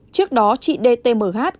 trước đó chị dtmh